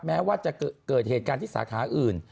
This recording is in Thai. แม้ว่าจะเกิดเหตุการณ์ที่สาขาอื่น